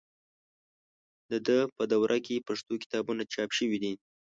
د ده په دوره کې پښتو کتابونه چاپ شوي دي.